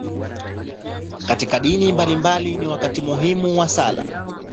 Katika dini mbalimbali, ni wakati muhimu wa sala.